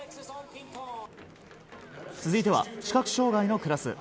続いては、視覚障害のクラス。